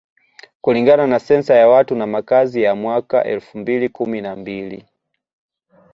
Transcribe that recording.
Kulingana na Sensa ya watu na makazi ya mwaka elfu mbili kumi na mbili